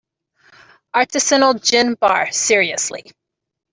Artisanal gin bar, seriously?!